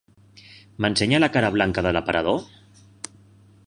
M'ensenya la cara blanca de l'aparador?